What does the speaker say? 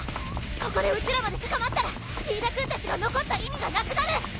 ここでうちらまで捕まったら飯田君たちが残った意味がなくなる！